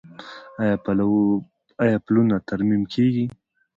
آیا پلونه ترمیم کیږي؟